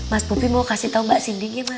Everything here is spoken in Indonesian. mas bobi mau kasih tau mbak sindi gimana